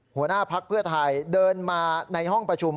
หัวหน้าพักเพื่อไทยเดินมาในห้องประชุม